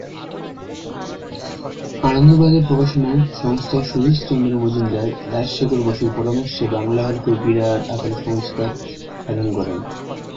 আনন্দবাজার প্রকাশনা সংস্থার সুরেশচন্দ্র মজুমদার রাজশেখর বসুর পরামর্শে বাংলা হরফের বিরাট আকারের সংস্কার সাধন করেন।